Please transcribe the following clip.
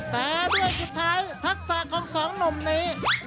แต่ด้วยสุดท้ายทักษะของสองหนุ่มนี้